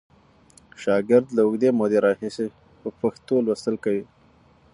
شاګرد له اوږدې مودې راهیسې په پښتو لوستل کوي.